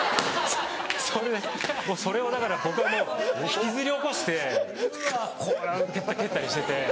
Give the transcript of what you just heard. それでそれをだから僕はもう引きずり起こしてこう蹴ったりしてて。